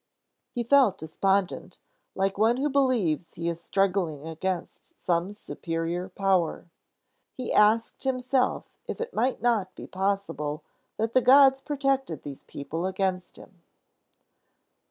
He felt despondent, like one who believes he is struggling against some superior power. He asked himself if it might not be possible that the gods protected these people against him.